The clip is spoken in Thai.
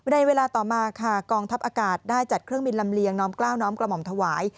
ในเวลาต่อมาค่ะกองทัพอากาศได้จัดเครื่องบินลำเลียงน้อมกล้าวน้อมกระหม่อมถวาย